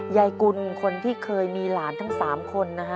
ใยกุลคนที่เคยมีหลานต่อที่ดูของเขานะครับ